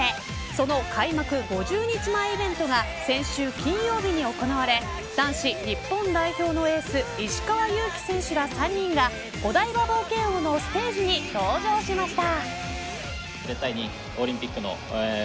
その開幕５０日前イベントが先週金曜日に行われ男子日本代表のエース石川祐希選手ら３人がお台場冒険王のステージに登場しました。